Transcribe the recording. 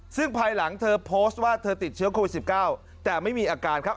ซึ่งภายหลังเธอโพสต์ว่าเธอติดเชื้อโควิด๑๙แต่ไม่มีอาการครับ